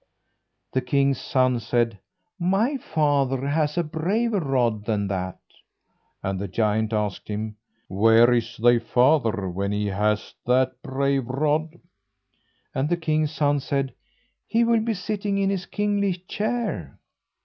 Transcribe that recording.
The king's son said: "My father has a braver rod than that." And the giant asked him, "Where is thy father when he has that brave rod?" And the king's son said: "He will be sitting in his kingly chair."